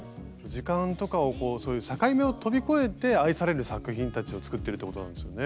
時間とかをこうそういう境目を飛び越えて愛される作品たちを作ってるということなんですよね。